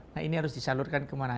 nah ini harus disalurkan kemana